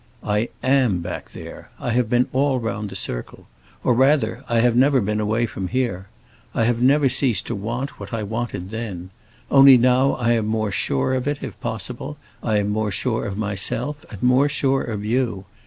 I am back there. I have been all round the circle. Or rather, I have never been away from here. I have never ceased to want what I wanted then. Only now I am more sure of it, if possible; I am more sure of myself, and more sure of you.